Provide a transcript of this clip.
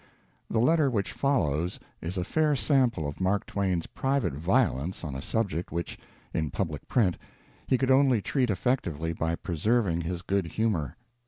The letter which follows is a fair sample of Mark Twain^ private violence on a subject which, in public print, he could only treat effectively by preserving his good humor.